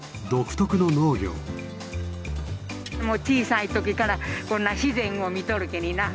もう小さい時からこんな自然を見とるけにな。